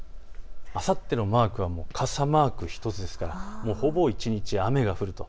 あさってのマークはもう傘マーク１つですからほぼ一日雨が降ると。